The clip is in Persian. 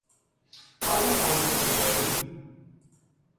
آیا پرسشی دارید؟